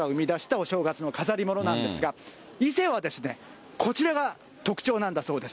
雪国の人が生み出したお正月の飾り物なんですが、伊勢はですね、こちらが特徴なんだそうです。